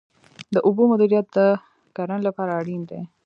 د اوبو مدیریت د کرنې لپاره اړین دی